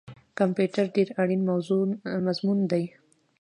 کمپیوټر ډیر اړین مضمون دی